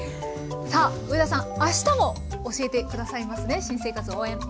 さあ上田さんあしたも教えて下さいますね新生活応援。